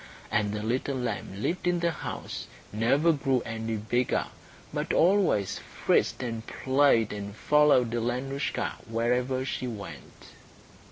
And the little lamb lived in the house, and never grew any bigger, but always frisked and played, and followed Alenoushka wherever she went.